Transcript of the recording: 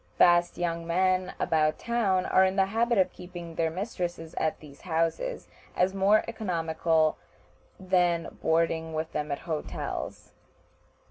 Fast young men about town are in the habit of keeping their mistresses at these houses, as more economical than boarding with them at hotels.